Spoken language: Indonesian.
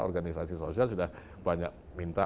organisasi sosial sudah banyak minta